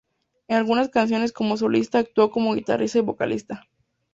En algunas canciones como solista actuó como guitarrista y vocalista.